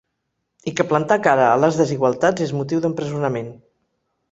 I que plantar cara a les desigualtats és motiu d’empresonament.